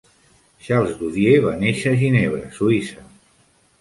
Charles Doudiet va néixer a Ginebra, Suïssa.